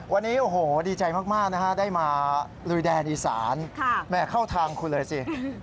วันนี้โอ้โหดีใจมากนะฮะได้มาลุยแดนอีสานแม่เข้าทางคุณเลยสิ